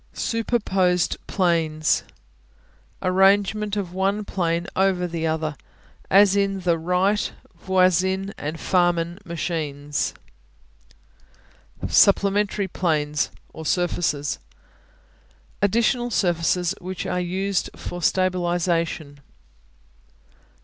Superposed Planes Arrangement of one plane over the other, as in the Wright, Voisin and Farman machines. Supplementary Planes (or surfaces) Additional surfaces which are used for stabilization.